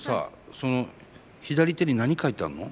その左手に何書いてあるの？